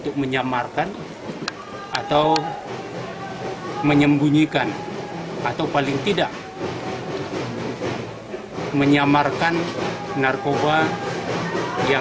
para peneliti pnpr merasa berpikir di luar pandang itu apaan yang akan menyebabkan penyalah dinafikan